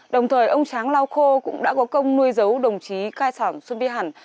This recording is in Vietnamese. đồng thời ông tráng lao khô cũng đã có công nuôi giấu đồng chí cái sỏn xuân vĩ hẳn